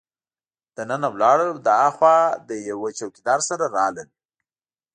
دننه ولاړل او له هاخوا له یوه چوکیدار سره راغلل.